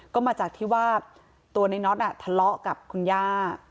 ก็มาจากที่ว่าตัวในน็อตทะเลาะกับคุณย่า